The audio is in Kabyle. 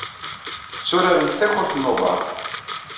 Tturarent takurt n uḍar.